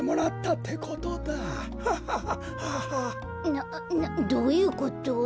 などういうこと？